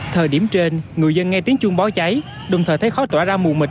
thời điểm trên người dân nghe tiếng chuông bó cháy đồng thời thấy khó tỏa ra mù mịch